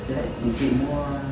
với lại chị mua